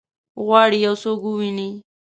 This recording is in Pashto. غواړي یو څوک وویني؟